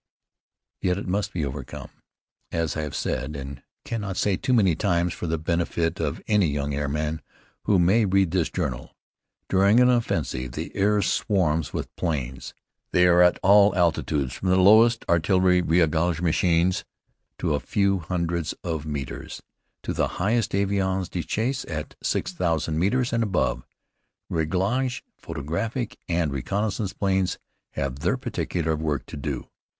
Yet it must be overcome, as I have said, and cannot say too many times for the benefit of any young airman who may read this journal. During an offensive the air swarms with planes. They are at all altitudes, from the lowest artillery réglage machines at a few hundreds of metres, to the highest avions de chasse at six thousand meters and above. Réglage, photographic, and reconnaissance planes have their particular work to do.